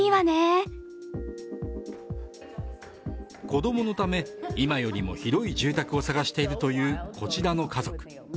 子供のため、今よりも広い住宅を探しているというこちらの家族。